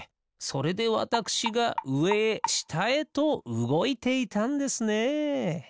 それでわたくしがうえへしたへとうごいていたんですね。